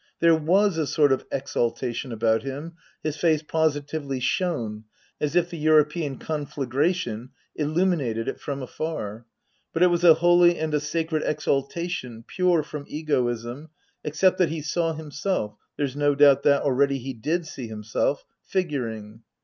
There was a sort of exaltation about him (his face positively shone, as if the European conflagration illuminated it from afar) ; but it was a holy and a sacred exaltation, pure from egoism, except that he saw himself there's no doubt that already he did see himself figuring.